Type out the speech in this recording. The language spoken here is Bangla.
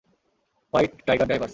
White tiger drivers'.